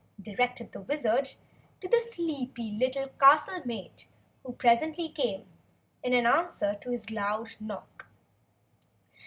directed the Wizard to the sleepy little castle maid who presently came, in answer to his loud knock.